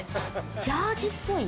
ジャージーっぽい。